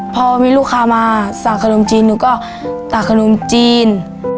พอมีลูกค้ามาสั่งขนมจีนหนูก็ตากขนมจีน